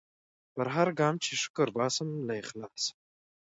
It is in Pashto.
پر هرګام چي شکر باسم له اخلاصه